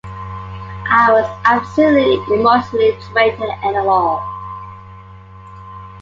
I was absolutely emotionally drained at the end of it all.